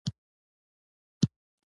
دا تر څو د غنمو وږي واخلم